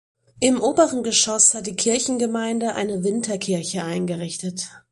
Im oberen Geschoss hat die Kirchengemeinde eine Winterkirche eingerichtet.